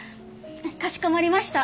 かしこまりました。